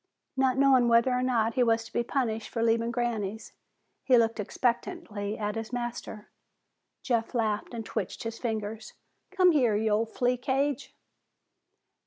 Not knowing whether or not he was to be punished for leaving Granny's, he looked expectantly at his master. Jeff laughed and twitched his fingers. "Come here, you old flea cage."